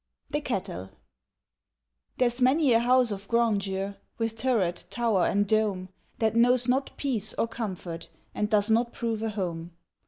=The Kettle= There's many a house of grandeur, With turret, tower and dome, That knows not peace or comfort, And does not prove a home.